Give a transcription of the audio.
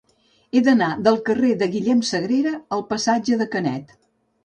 He d'anar del carrer de Guillem Sagrera al passatge de Canet.